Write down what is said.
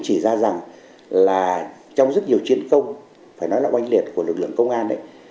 chỉ ra rằng là trong rất nhiều chiến công phải nói là oanh liệt của lực lượng công an ấy